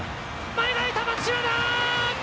前が空いた松島だ！